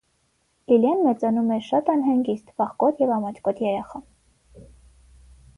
Լիլիան մեծանում էր շատ անհանգիստ, վախկոտ և ամաչկոտ երեխա։